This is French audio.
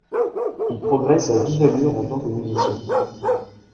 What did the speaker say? Il progresse à vive allure en tant que musicien.